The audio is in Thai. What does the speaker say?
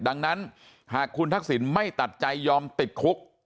ดังนั้นหากคุณทักษิณไม่ตัดใจยอมติดคุก